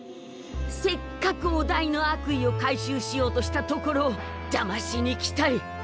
せっかくお代の悪意を回収しようとしたところをじゃましに来たり。